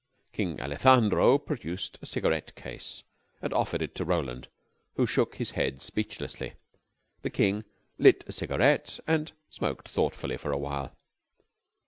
King Alejandro produced a cigaret case, and offered it to Roland, who shook his head speechlessly. The King lit a cigaret and smoked thoughtfully for a while.